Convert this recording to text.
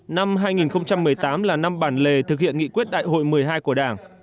năm hai nghìn một mươi tám là năm bản lề thực hiện nghị quyết đại hội một mươi hai của đảng